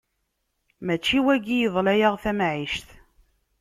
Mačči wagi iḍla-yaɣ tamɛict!